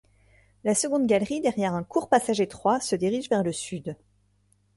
La seconde galerie, derrière un court passage étroit, se dirige vers le sud.